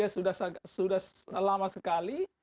sudah lama sekali